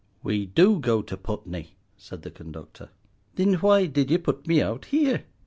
"We do go to Putney," said the conductor. "Thin why did ye put me out here?"